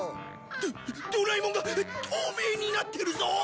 ドドラえもんが透明になってるぞ！